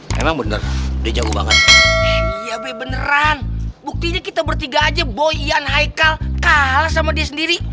memang benar di jauh banget iya betteran buktinya kita bertiga aja boy yang haikal kalah sama sendiri